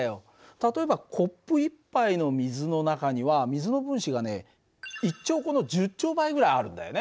例えばコップ１杯の水の中には水の分子がね１兆個の１０兆倍ぐらいあるんだよね。